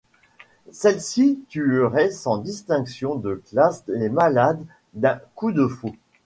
Celle-ci tuerait sans distinction de classe les malades d'un coup de faux.